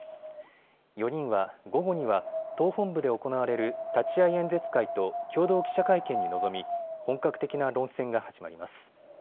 ４人は午後には党本部で行われる立会演説会と共同記者会見に臨み、本格的な論戦が始まります。